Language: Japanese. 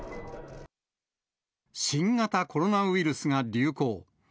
新型コロナウイルスが流行。